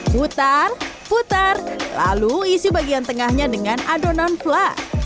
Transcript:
putar putar lalu isi bagian tengahnya dengan adonan flat